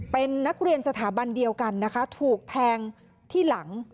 เป็นนักเรียนสถาบันเดียวกันนะคะถูกแทงที่หลัง